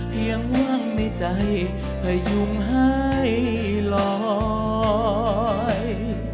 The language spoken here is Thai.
เพียงว่างในใจพยุงหายลอย